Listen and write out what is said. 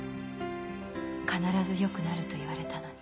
必ず良くなると言われたのに。